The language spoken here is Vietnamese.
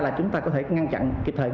là chúng ta có thể ngăn chặn